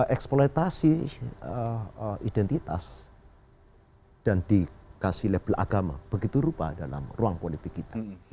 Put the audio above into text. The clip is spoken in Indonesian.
eksploitasi identitas dan dikasih label agama begitu rupa dalam ruang politik kita